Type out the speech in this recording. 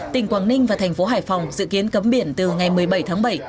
tỉnh quảng ninh và thành phố hải phòng dự kiến cấm biển từ ngày một mươi bảy tháng bảy